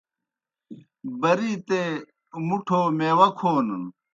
بَرِیتے مُٹھو میواہ کھونَن۔